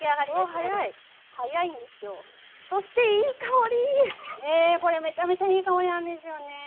ねこれめちゃめちゃいい香りなんですよね。